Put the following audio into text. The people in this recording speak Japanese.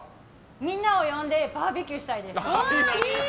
みんなを呼んでバーベキューしたいです。